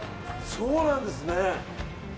そうなんですね。